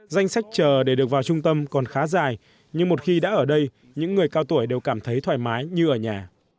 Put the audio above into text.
danh sách chờ để được vào trung tâm còn khá dài nhưng một khi đã ở đây những người cao tuổi đều cảm thấy thoải mái như ở nhà